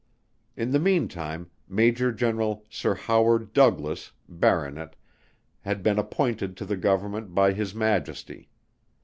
In the mean time, Major General Sir HOWARD DOUGLAS, Baronet, had been appointed to the Government by His Majesty.